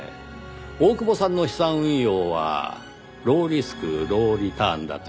大久保さんの資産運用はローリスクローリターンだと。